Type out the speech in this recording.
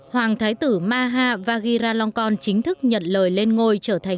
hoàng thái tử maha vagiralongkon chính thức nhận lời lên ngôi trở thành nhà vua ramon